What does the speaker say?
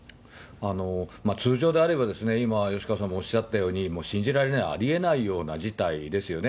通常であれば、今、吉川さんがおっしゃったように、もう信じられない、ありえないような事態ですよね。